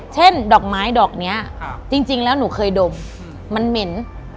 ดอกไม้ดอกนี้จริงแล้วหนูเคยดมมันเหม็น